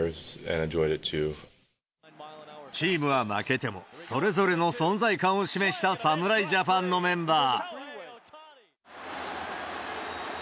チームは負けても、それぞれの存在感を示した侍ジャパンのメンバー。